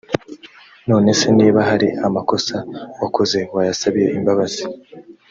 none se niba hari amakosa wakoze wayasabiye imbabazi